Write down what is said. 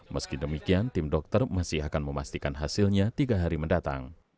meski demikian tim dokter masih akan memastikan hasilnya tiga hari mendatang